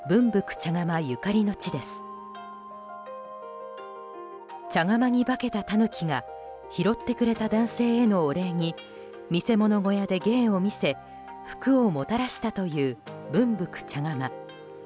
茶釜に化けたタヌキが拾ってくれた男性へのお礼に見世物小屋で芸を見せ福をもたらしたという「分福茶釜」。